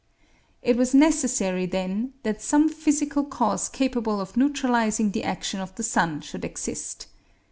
It was necessary then that some physical cause capable of neutralizing the action of the sun should exist.